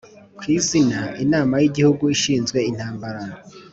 Ku izina Inama y Igihugu ishinzwe intambara